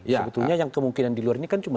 sebetulnya yang kemungkinan di luar ini kan cuma